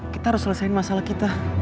kita harus selesaikan masalah kita